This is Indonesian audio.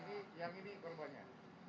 yang ini yang ini berapa banyak